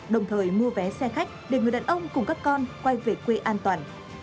đồng thời mua vé xe khách để người đàn ông cùng các con quay về quê an toàn